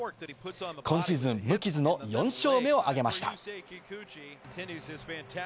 今シーズン無傷の４勝目をあげました。